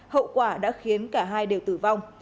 hậu quả đã khiến cả hai đều tử vong